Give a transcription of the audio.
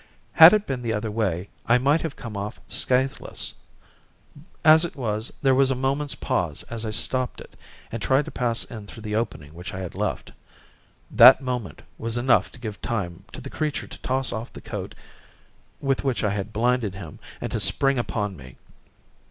Had it been the other way, I might have come off scathless. As it was, there was a moment's pause as I stopped it and tried to pass in through the opening which I had left. That moment was enough to give time to the creature to toss off the coat with which I had blinded him and to spring upon me.